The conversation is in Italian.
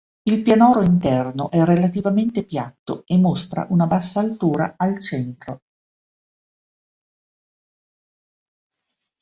Il pianoro interno è relativamente piatto e mostra una bassa altura al centro.